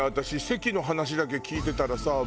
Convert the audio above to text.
私関の話だけ聞いてたらさ